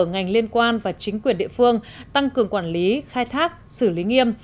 ngành liên quan và chính quyền địa phương tăng cường quản lý khai thác xử lý nghiêm